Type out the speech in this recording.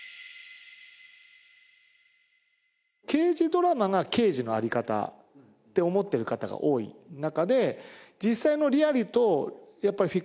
「刑事ドラマが刑事の在り方」って思ってる方が多い中で。